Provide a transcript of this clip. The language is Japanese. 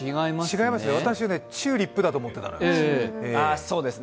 違いますね、私はチューリップだと思ってたのよ。